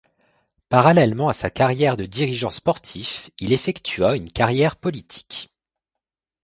Parallèlement à sa carrière de dirigeant sportif, il effectua une carrière politique.